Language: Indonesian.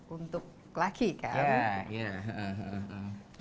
untuk laki kan